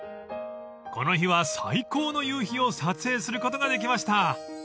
［この日は最高の夕日を撮影することができました］